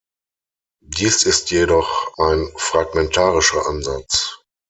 Dies ist jedoch ein fragmentarischer Ansatz.